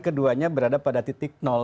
keduanya berada pada titik